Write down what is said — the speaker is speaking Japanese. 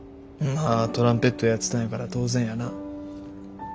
まあトランペットやってたんやから当然やな。